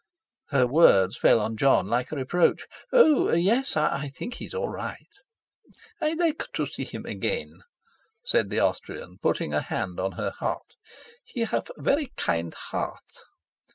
Her words fell on Jon like a reproach. "Oh Yes, I think he's all right." "I like to see him again," said the Austrian, putting a hand on her heart; "he have veree kind heart."